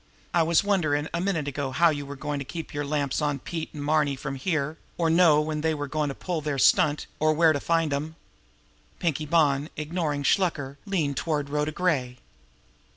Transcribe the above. I was wonderin a minute ago how you were goin' to keep your lamps on Pete and Marny from here, or know when they were goin' to pull their stunt, or where to find 'em." Pinkie Bonn, ignoring Shluker, leaned toward Rhoda Gray.